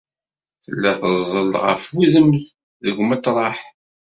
Tella teẓẓel ɣef udem deg umeṭreḥ.